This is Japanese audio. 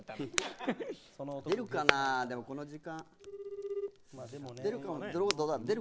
出るかな、この時間。